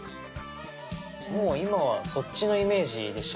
もう今はそっちのイメージでしょ？